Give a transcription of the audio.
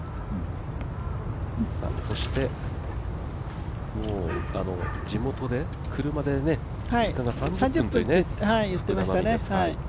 そして地元で車で実家が３０分という福田真未です。